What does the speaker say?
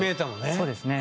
そうですね。